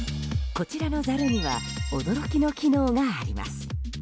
こちらのざるには驚きの機能があります。